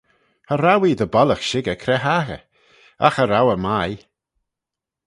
Cha row ee dy bollagh shickyr cre haghyr, agh cha row eh mie.